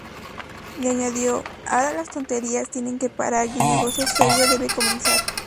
Y añadió: "Ahora las tonterías tienen que parar, y el negocio serio debe comenzar".